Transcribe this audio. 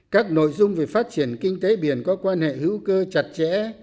các nội dung về phát triển kinh tế biển có quan hệ hữu cơ chặt chẽ